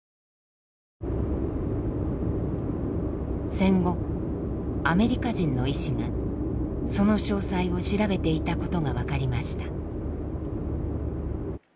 戦後アメリカ人の医師がその詳細を調べていたことが分かりました。